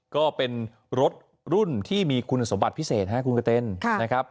ก็เป็นรถรุ่นที่มีคุณสมบัติพิเศษนะครับคุณกระเต้นนะครับ